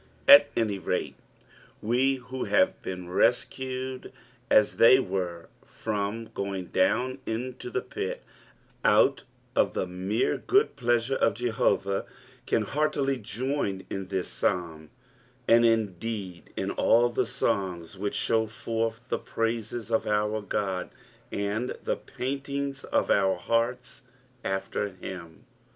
At any rait, we who have been rescued as they werefrom going doum fnfo IJie pU, nut of the mere good pleasure qf Jthouak, can heariUy join in this Psabn, and indeed in all the tongs whiiA show forth the praises of oiir God and the pai^Ttgs of our hearts t^ltr him.